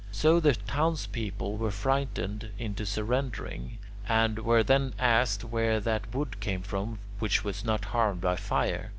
So the townspeople were frightened into surrendering, and were then asked where that wood came from which was not harmed by fire.